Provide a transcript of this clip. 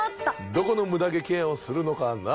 どこのムダ毛ケアをするのかな？